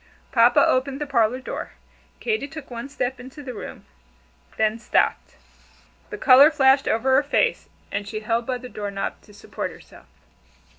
Papa opened the parlor door. Katy took one step into the room then stopped. The color flashed over her face, and she held by the door knob to support herself.